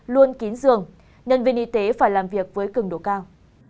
luôn kín giường nhân viên y tế phải làm việc với cứng độ cao